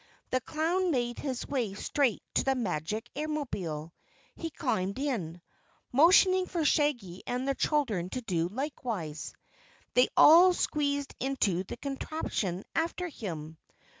The clown made his way straight to the Magic Airmobile. He climbed in, motioning for Shaggy and the children to do likewise. They all squeezed into the contraption after him.